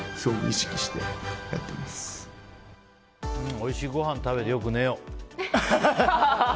おいしいごはん食べてよく寝よう！